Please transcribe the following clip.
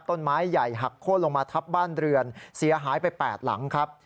ต้นไม้ใหญ่หักโค้นลงมาทับบ้านเรือนเสียหายไป๘หลังครับ